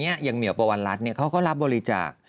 อย่างเหมียวปวัลรัฐเขาก็รับบริจาค